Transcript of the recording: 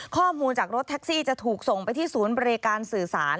ข้อมูลจากรถแท็กซี่จะถูกส่งไปที่ศูนย์บริการสื่อสาร